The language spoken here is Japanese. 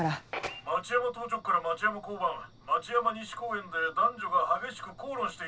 町山当直から町山交番町山西公園で男女が激しく口論しているもよう。